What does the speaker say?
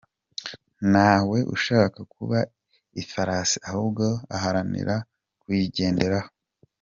Ntawe ushaka kuba ifarasi ahubwo aharanira kuyigenderaho